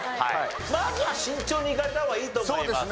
まずは慎重にいかれた方がいいと思います。